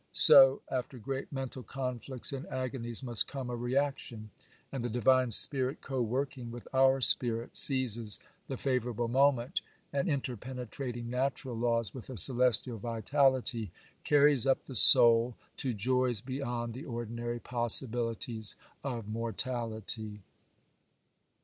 So, after great mental conflicts and agonies must come a reaction, and the Divine Spirit, co working with our spirit, seizes the favourable moment, and, interpenetrating natural laws with a celestial vitality, carries up the soul to joys beyond the ordinary possibilities of mortality.